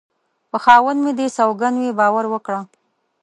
په خاوند مې دې سوگند وي باور وکړه